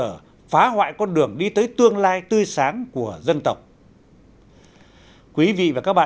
và phá hoại con đường đi tới tương lai tươi sáng của dân tộc